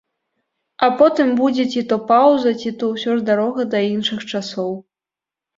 А потым будзе ці то паўза, ці то ўсё ж дарога да іншых часоў.